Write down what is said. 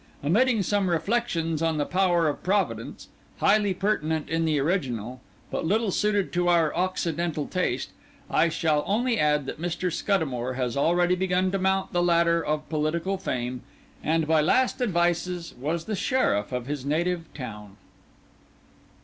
Omitting some reflections on the power of Providence, highly pertinent in the original, but little suited to our occiddental taste, I shall only add that Mr. Scuddamore has already begun to mount the ladder of political fame, and by last advices was the Sheriff of his native town.